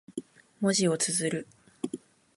文字を綴る。